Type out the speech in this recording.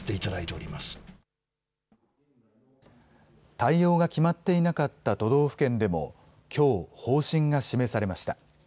対応が決まっていなかった都道府県でもきょう、方針が示されました。